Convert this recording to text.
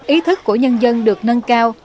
ý thức của nhân dân được nâng cao